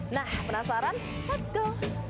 nah penasaran let's go